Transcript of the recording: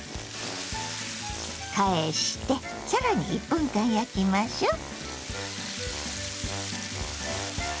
返して更に１分間焼きましょう。